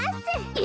え？